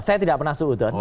saya tidak pernah sudut